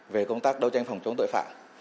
về công tác đấu tranh phòng chống tội phạm